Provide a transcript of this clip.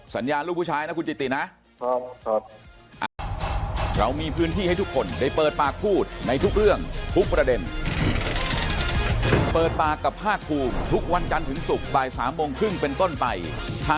สัญญาลูกผู้ชายนะคุณจิตินะ